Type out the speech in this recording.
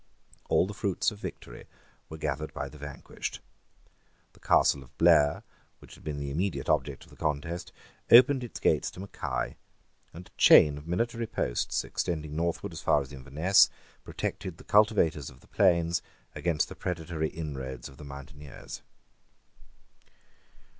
All the fruits of victory were gathered by the vanquished. The Castle of Blair, which had been the immediate object of the contest, opened its gates to Mackay; and a chain of military posts, extending northward as far as Inverness, protected the cultivators of the plains against the predatory inroads of the mountaineers.